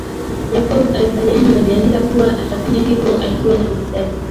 Jacob alikubaliana na bi anita kuwa atafanya hivyo akiwa na uhitaji